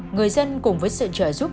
người dân cùng với sự trợ giúp